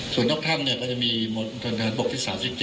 ส่วนนอกถ้ำเนี่ยก็จะมีหมวดทนธรรมบกที่๓๗